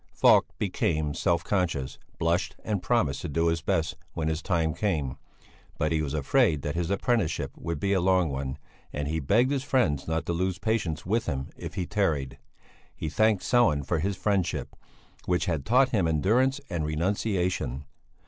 Falk became self conscious, blushed and promised to do his best when his time came; but he was afraid that his apprenticeship would be a long one, and he begged his friends not to lose patience with him if he tarried; he thanked Sellén for his friendship, which had taught him endurance and renunciation.